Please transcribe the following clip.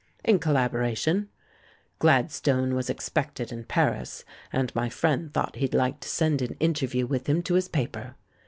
"In collaboration. Gladstone was expected in Paris, and my friend thought he'd like to send an Interview with him to his paper.